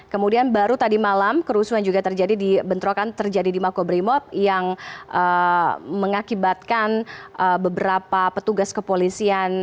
kemudian baru tadi malam kerusuhan juga terjadi di bentrokan terjadi di makobrimob yang mengakibatkan beberapa petugas kepolisian